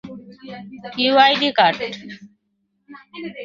ওই, জোবার্গ!